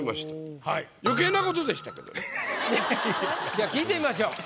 じゃあ聞いてみましょう。